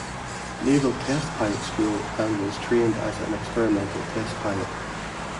Naval Test Pilot School and was trained as an experimental test pilot.